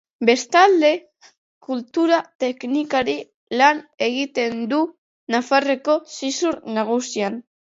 Bestalde, kultura teknikari lan egiten du Nafarroako Zizur Nagusian.